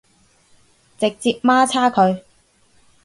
直接媽叉佢